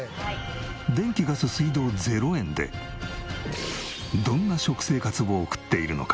電気ガス水道０円でどんな食生活を送っているのか？